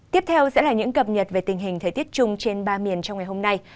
tiếp theo sẽ là những cập nhật về tình hình thời tiết chung trên ba miền trong ngày hôm nay